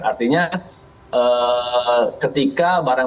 artinya ketika barang barang